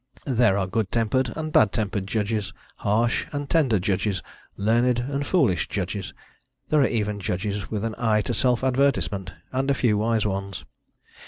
There are good tempered and bad tempered judges, harsh and tender judges, learned and foolish judges, there are even judges with an eye to self advertisement, and a few wise ones.